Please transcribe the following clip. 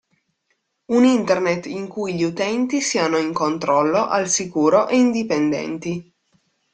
Un Internet in cui gli utenti siano in controllo, al sicuro e indipendenti.